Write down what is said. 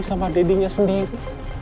sama dedinya sendiri